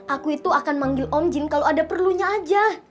aku itu akan manggil om jin kalau ada perlunya aja